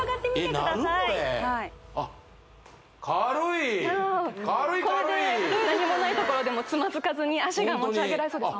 これあっこれで何もないところでもつまずかずに脚が持ち上げられそうです